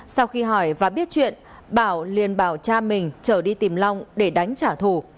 sau khi hỏi và biết chuyện bảo liền bảo cha mình trở đi tìm long để đánh trả thù